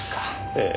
ええ。